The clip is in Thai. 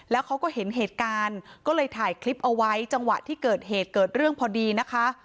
แล้วเขาก็เห็นเหตุการณ์ก็เลยถ่ายคลิปเอาไว้จังหวะที่เกิดเหตุเกิดเรื่องพอดีนะคะ